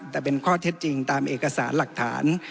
แต่เป็นข้อเท็จจริงตามเอกสารหลักฐาน